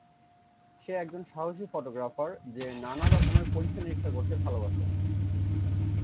সে একজন সাহসী ফটোগ্রাফার যে নানা রকমের পরীক্ষা নিরীক্ষা করতে ভালবাসে।